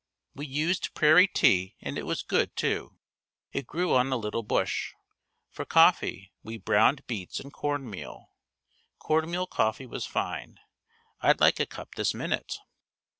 We used prairie tea and it was good too. It grew on a little bush. For coffee we browned beets and corn meal. Corn meal coffee was fine. I'd like a cup this minute.